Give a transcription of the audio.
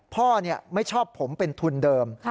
พ่อไม่ชอบผมเป็นทุนเดิม